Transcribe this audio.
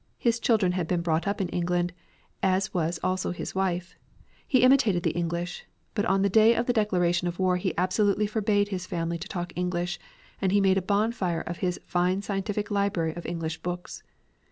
His children had been brought up in England, as was also his wife. He imitated the English, but on the day of the declaration of war he absolutely forbade his family to talk English, and he made a bonfire of his fine scientific library of English books.